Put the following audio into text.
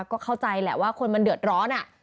ก็เข้าใจแหละว่าคนมันเดือดร้อน